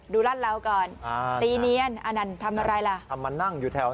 ดูราชเราก่อนอ่านั่นทำอะไรละ